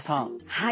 はい。